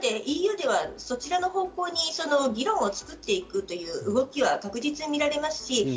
ＥＵはそちらの方向に議論を作っていくという動きは確実に見られます。